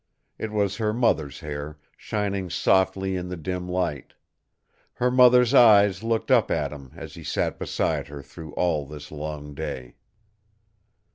It was her mother's hair, shining softly in the dim light; her mother's eyes looked up at him as he sat beside her through all this long day.